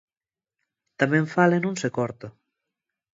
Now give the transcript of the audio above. Tamén fala e non se corta.